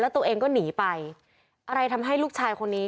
ตัวเองก็หนีไปอะไรทำให้ลูกชายคนนี้